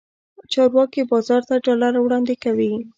چارواکي بازار ته ډالر وړاندې کوي.